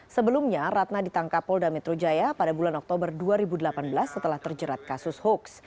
sebelumnya ratna ditangkap polda metro jaya pada bulan oktober dua ribu delapan belas setelah terjerat kasus hoax